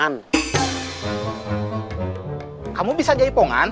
umur yang ada berjurut tidak dapat menerima panggilan anda